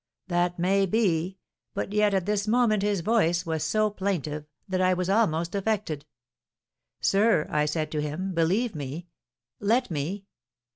"That may be; but yet at this moment his voice was so plaintive that I was almost affected. 'Sir,' I said to him, believe me ' 'Let me!